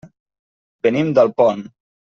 Venim d'Alpont.